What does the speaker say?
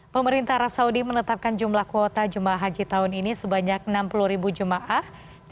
pemerintah arab saudi menetapkan jumlah kuota jemaah haji tahun ini sebanyak enam puluh jemaah